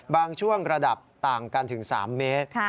ช่วงระดับต่างกันถึง๓เมตร